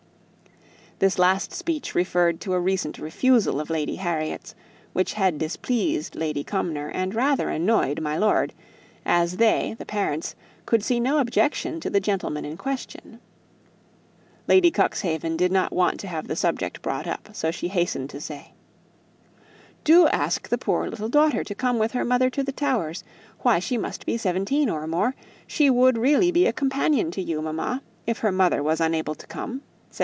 This last speech referred to a recent refusal of Lady Harriet's, which had displeased Lady Cumnor, and rather annoyed my lord; as they, the parents, could see no objection to the gentleman in question. Lady Cuxhaven did not want to have the subject brought up, so she hastened to say, "Do ask the poor little daughter to come with her mother to the Towers; why, she must be seventeen or more; she would really be a companion to you, mamma, if her mother was unable to come."